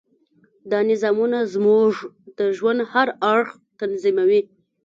دا نظامونه زموږ د ژوند هر اړخ تنظیموي.